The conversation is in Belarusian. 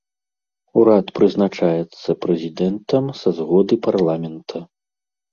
Урад прызначаецца прэзідэнтам са згоды парламента.